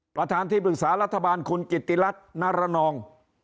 ประธานที่ปรึกษารัฐบาลคุณกิติรัฐนารนอง